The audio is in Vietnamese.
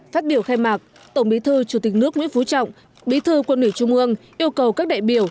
phát biểu khai mạc tổng bí thư chủ tịch nước nguyễn phú trọng bí thư quân ủy trung ương yêu cầu các đại biểu